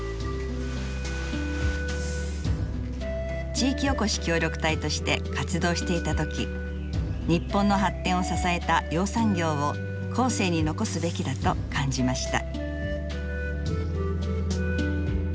地域おこし協力隊として活動していた時日本の発展を支えた養蚕業を後世に残すべきだと感じました。